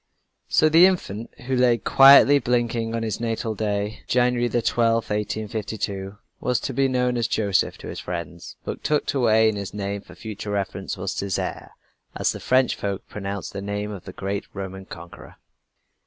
So the infant who lay quietly blinking on his natal day, January 12, 1852, was to be known as Joseph to his friends; but tucked away in his name for future reference was Césaire as the French folk pronounced the name of the great Roman conqueror.